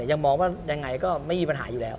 ยังมองว่ายังไงก็ไม่มีปัญหาอยู่แล้ว